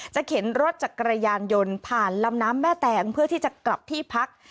เข็นรถจักรยานยนต์ผ่านลำน้ำแม่แตงเพื่อที่จะกลับที่พัก